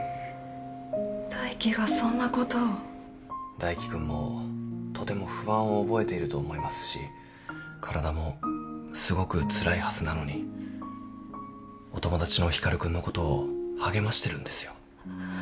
大輝君もとても不安を覚えていると思いますし体もすごくつらいはずなのにお友達の光君のことを励ましてるんですよ。